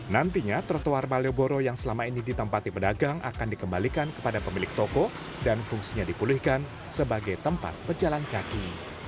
nantinya trotoar malioboro yang selama ini ditempati pedagang akan dikembalikan kepada pemilik toko dan fungsinya dipulihkan sebagai tempat pejalan kaki